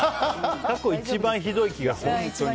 過去一番ひどい気がする。